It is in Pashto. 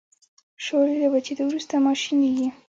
شولې له وچیدو وروسته ماشینیږي.